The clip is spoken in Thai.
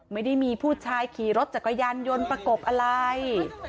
ไม่ได้มีผู้ชายขี่รถจักรยานยนต์ประกบอะไร